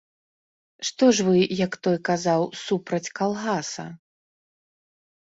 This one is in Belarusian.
Што ж вы, як той казаў, супраць калгаса?